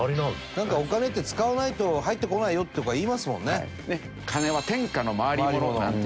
なんかお金って使わないと入ってこないよとか言いますもんね。なんて